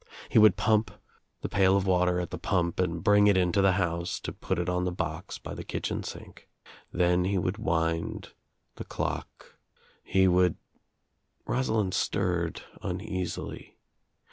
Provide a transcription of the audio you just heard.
He would pump the pail of water at the pump and bring it into the house to put it on the box by the kitchen sink. Then he would wind the clock. He would — Rosalind stirred uneasily.